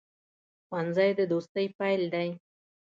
ښوونځی د دوستۍ پیل دی